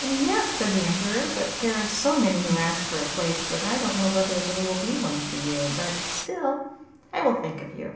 'Yes,' said the Emperor, 'but there are so many who ask for a place that I don't know whether there will be one for you; but, still, I will think of you.